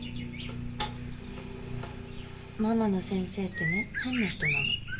ママの先生ってね変な人なの。